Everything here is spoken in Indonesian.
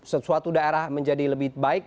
sesuatu daerah menjadi lebih baik